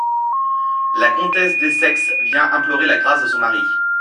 La Comtesse D'Essex vient implorer la grace de son mari.